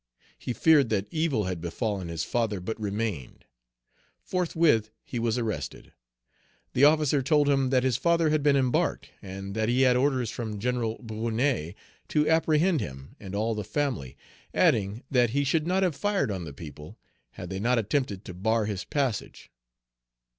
He feared that evil had befallen his father, but remained. Forthwith he was arrested. The officer told him that his father had been embarked, and that he had orders from General Brunet to apprehend him and all the family; adding that he should not have fired on the people, had they not attempted to bar his passage.